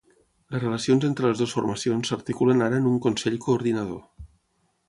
Les relacions entre les dues formacions s'articulen ara en un Consell Coordinador.